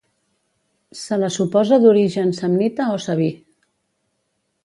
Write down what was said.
Se la suposa d'origen samnita o sabí.